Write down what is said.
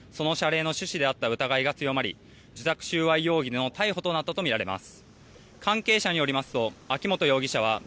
その謝礼の趣旨であった疑いが強まり受託収賄容疑での逮捕となったとみられます。